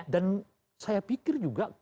dan saya pikir juga